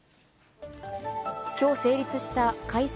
きょう成立した改正